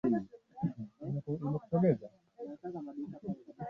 kurengesha mkondo wa kidemokrasia katika nchi ambazo